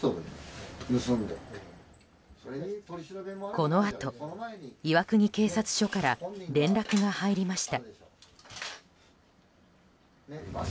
このあと、岩国警察署から連絡が入りました。